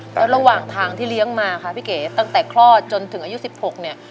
แล้วระหว่างทางที่เลี้ยงมาคะพี่เก๋ตั้งแต่คลอดจนถึงอายุ๑๖เนี่ย